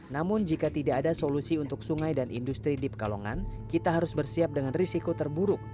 namun jika tidak ada solusi untuk sungai dan industri di pekalongan kita harus bersiap dengan risiko terburuk